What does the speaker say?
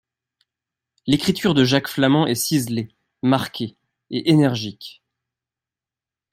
L'écriture de Jacques Flamand est ciselée, marquée et énergique.